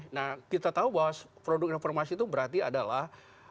nah kita tahu bahwa produk informasi itu berarti adalah